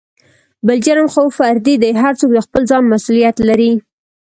بل جرم خو فردي دى هر څوک دخپل ځان مسولېت لري.